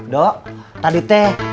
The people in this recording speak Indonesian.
dok tadi teh